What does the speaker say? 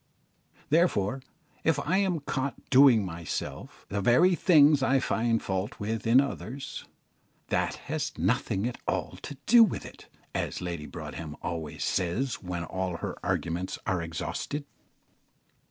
Therefore, if I am caught doing myself the very things I find fault with in others, "that has nothing at all to do with it," as Lady Broadhem always says when all her arguments are exhausted.